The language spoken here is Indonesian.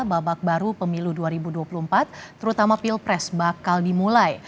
babak baru pemilu dua ribu dua puluh empat terutama pilpres bakal dimulai